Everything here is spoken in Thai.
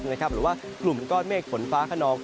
หรือว่ากลุ่มก้อนเมฆฝนฟ้าขนอง